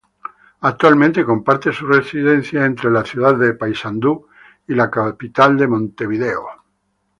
Actualmente comparte su residencia entre la ciudad de Paysandú y la capital de Montevideo.